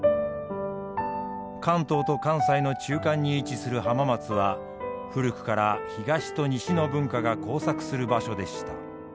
関東と関西の中間に位置する浜松は古くから東と西の文化が交錯する場所でした。